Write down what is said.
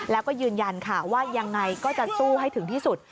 แล้วก็ยืนยันค่ะว่ายังไงก็จะสู้ให้ถึงที่สุด